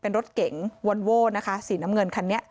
เป็นรถเก๋งวอนโว้นะคะสีน้ำเงินคันนี้